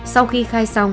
sau khi khai xong